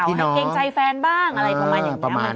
ให้เกรงใจแฟนบ้างอะไรประมาณอย่างนี้